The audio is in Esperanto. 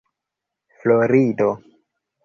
florido